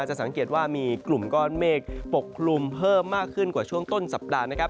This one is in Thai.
จะสังเกตว่ามีกลุ่มก้อนเมฆปกคลุมเพิ่มมากขึ้นกว่าช่วงต้นสัปดาห์นะครับ